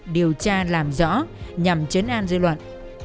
điều tra làm rõ nhằm chấn an dư luận